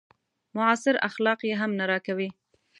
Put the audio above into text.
معاصر اخلاق يې هم نه راکوي.